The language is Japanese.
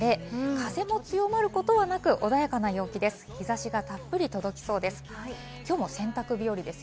風も強まることはなく、穏やかな陽気です。